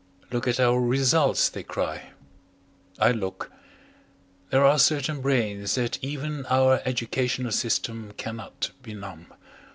"Look at our results," they cry. I look. There are certain brains that even our educational system cannot benumb.